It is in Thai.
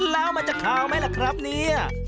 แล้วมันจะคาวไหมล่ะครับเนี่ย